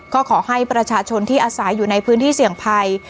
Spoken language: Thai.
ก็ขอให้ประชาชนที่อาศัยอยู่ในพื้นที่เสี่ยงภัย